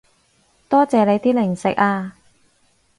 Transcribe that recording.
多謝你啲零食啊